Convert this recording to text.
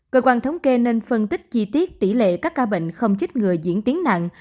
cơ quan thống kê nên phân tích chi tiết tỷ lệ các ca bệnh không chích người diễn tiến nặng